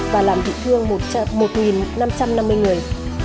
và làm bị thương một năm trăm năm mươi người